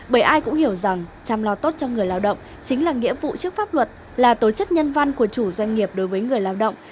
bởi ai cũng hiểu rằng chăm lo tốt cho người lao động chính là nghĩa vụ trước pháp luật là tổ chức nhân văn của chủ doanh nghiệp đối với người lao động